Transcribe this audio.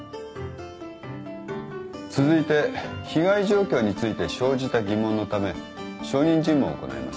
続いて被害状況について生じた疑問のため証人尋問を行います。